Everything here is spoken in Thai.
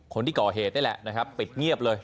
คนที่ก่อเหตุนี่แหละนะครับปิดเงียบเลย